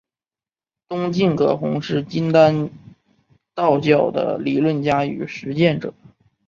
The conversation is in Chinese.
东晋葛洪是金丹道教的理论家与实践者。